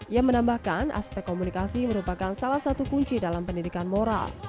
ia menambahkan aspek komunikasi merupakan salah satu kunci dalam pendidikan moral